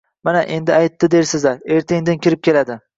Mana, meni aytdi dersizlar, erta-indin kirib keladi.